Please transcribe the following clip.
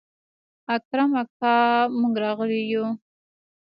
اکرم اکا موږ راغلي يو.